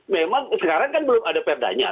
memang sekarang kan belum ada perdanya